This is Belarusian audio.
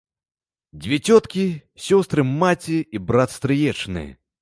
Дзве цёткі, сёстры маці, і брат стрыечны.